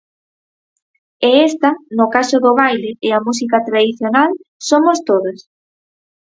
E esta, no caso do baile e a música tradicional, "somos todas".